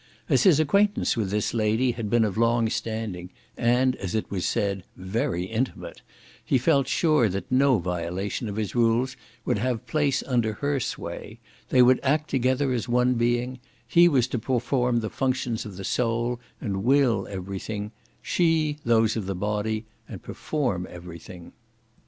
As his acquaintance with this lady had been of long standing, and, as it was said, very intimate, he felt sure that no violation of his rules would have place under her sway; they would act together as one being: he was to perform the functions of the soul, and will everything; she, those of the body, and perform everything.